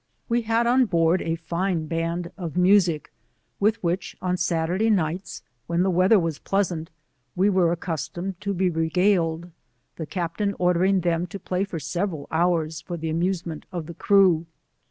We had on board a tine band of music, with which on Saturday nighty, when the weather was pleasant, we were accustomed to be regaled, the Captain ordering them to play for several hours for the amusement of the crew.